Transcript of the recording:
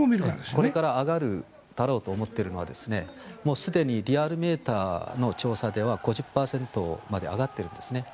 これから上がるだろうと思っているのはすでにリアルメーターの調査では５０％まで上がってるんです。